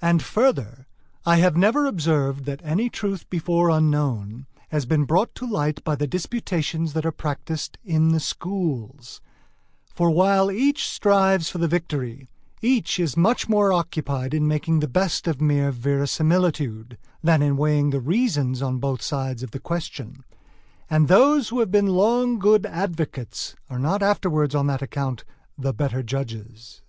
And further, I have never observed that any truth before unknown has been brought to light by the disputations that are practised in the schools; for while each strives for the victory, each is much more occupied in making the best of mere verisimilitude, than in weighing the reasons on both sides of the question; and those who have been long good advocates are not afterwards on that account the better judges.